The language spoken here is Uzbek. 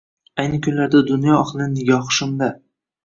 Ayni kunlarda dunyo ahlining nigohi shunda.